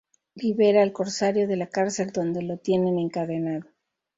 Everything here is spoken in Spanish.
Libera al corsario de la cárcel donde lo tienen encadenado.